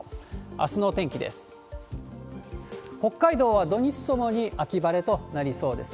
あすのお天気です。